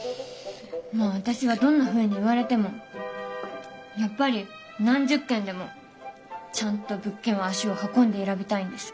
まあ私はどんなふうに言われてもやっぱり何十件でもちゃんと物件は足を運んで選びたいんです。